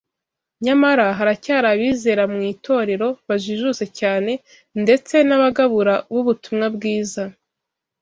nyamara, haracyari abizera mu itorero bajijutse cyane, ndetse n’abagabura b’ubutumwa bwiza